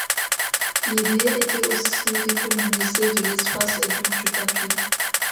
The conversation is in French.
L'idée était aussi d'économiser de l'espace et donc du papier.